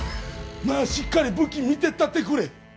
まぁしっかり武器見てったってくれ。